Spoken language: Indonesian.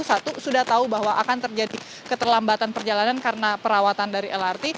satu sudah tahu bahwa akan terjadi keterlambatan perjalanan karena perawatan dari lrt